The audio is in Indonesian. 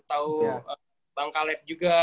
tau bang kaleb juga